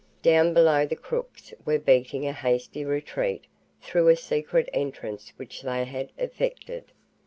Down below the crooks were beating a hasty retreat through a secret entrance which they had effected.